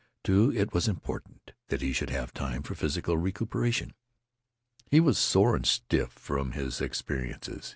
Too it was important that he should have time for physical recuperation. He was sore and stiff from his experiences.